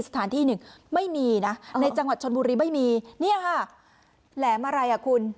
สถานที่หนึ่งไม่มีนะในจังหวัดชนบุรีไม่มีเนี่ยค่ะแหลมอะไรอ่ะคุณ